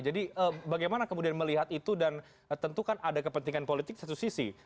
jadi bagaimana kemudian melihat itu dan tentukan ada kepentingan politik di satu sisi